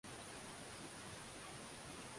kufika na kuanzisha milki yao kwa muda wa karne moja